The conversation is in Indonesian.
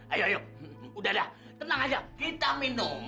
ayo ayo udah dah tenang aja kita minum